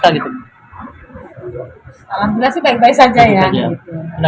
alhamdulillah sih baik baik saja ya